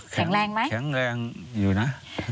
แข็งแรงไหมแข็งแรงอยู่นะ